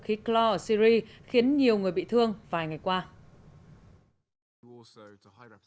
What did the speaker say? khí clor ở syria khiến nhiều người bị thương vài ngày qua